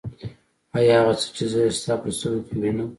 آيا هغه څه چې زه يې ستا په سترګو کې وينم.